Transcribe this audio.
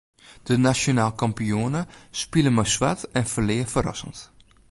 De nasjonaal kampioene spile mei swart en ferlear ferrassend.